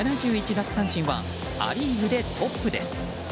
奪三振はア・リーグでトップです。